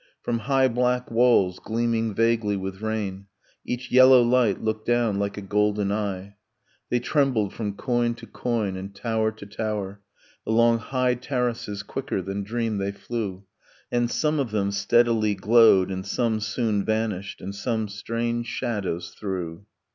From high black walls, gleaming vaguely with rain, Each yellow light looked down like a golden eye. They trembled from coign to coign, and tower to tower, Along high terraces quicker than dream they flew. And some of them steadily glowed, and some soon vanished, And some strange shadows threw.